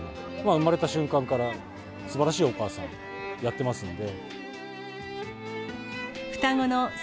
生まれた瞬間から、すばらしいお母さんやってますので。